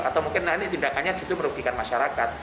atau mungkin tindakannya itu merugikan masyarakat